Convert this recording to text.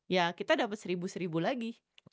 ya kita dapat seribu seribu lagi